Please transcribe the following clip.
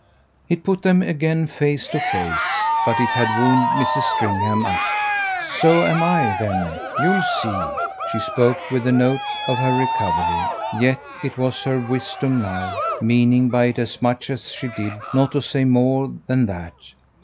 It put them again face to face, but it had wound Mrs. Stringham up. "So am I then, you'll see!" she spoke with the note of her recovery. Yet it was her wisdom now meaning by it as much as she did not to say more than that.